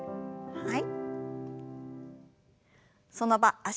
はい。